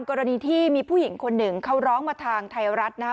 กรณีที่มีผู้หญิงคนหนึ่งเขาร้องมาทางไทยรัฐนะครับ